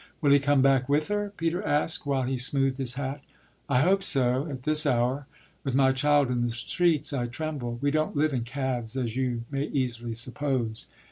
"Will he come back with her?" Peter asked while he smoothed his hat. "I hope so, at this hour. With my child in the streets I tremble. We don't live in cabs, as you may easily suppose."